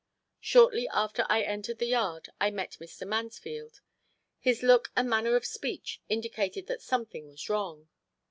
Shortly after I entered the yard I met Mr. Mansfield. His look and manner of speech indicated that something was wrong.